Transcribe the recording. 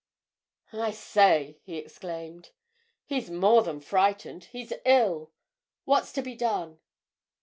"I say!" he exclaimed. "He's more than frightened—he's ill! What's to be done?"